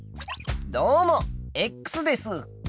どうもです。